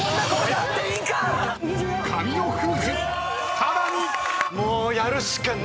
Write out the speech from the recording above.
［さらに］